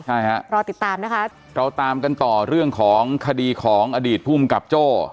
ใช่ฮะรอติดตามนะคะเราตามกันต่อเรื่องของคดีของอดีตภูมิกับโจ้